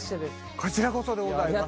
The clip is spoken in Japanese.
こちらこそでございます。